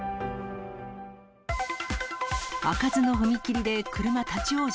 開かずの踏切で車立往生。